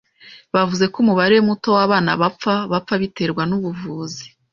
Bavuze ko umubare muto w'abana bapfa bapfa biterwa n'ubuvuzi.